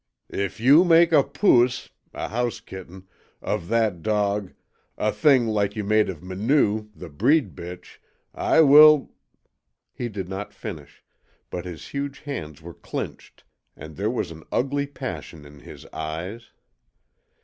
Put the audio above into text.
"If you make a POOS (a house kitten) of that dog a thing like you made of Minoo, the breed bitch, I will " He did not finish, but his huge hands were clinched, and there was an ugly passion in his eyes.